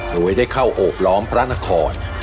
โดยได้เข้าโอบล้อมพระนคร